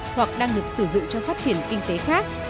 hoặc đang được sử dụng cho phát triển kinh tế khác